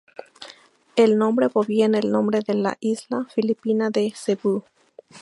El nombre proviene del nombre de la isla filipina de Cebú.